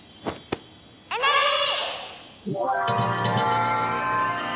エナジー！